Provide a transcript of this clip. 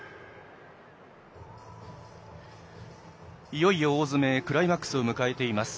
いよいよ大詰めクライマックスを迎えています